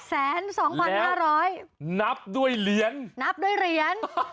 แล้วนับด้วยเหรียญ